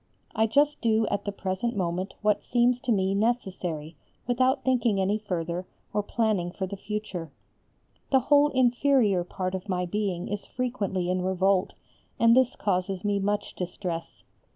I just do at the present moment what seems to me necessary without thinking any further, or planning for the future. The whole inferior part of my being is frequently in revolt, and this causes me much distress.